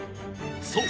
そう！